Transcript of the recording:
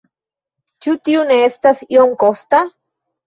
Ĉu tio ne estas iom kosta?